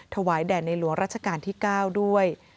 ถวายแด่ในหลวงราชการที่๙ด้วย